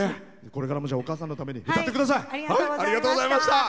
これからもお母さんのために歌ってください。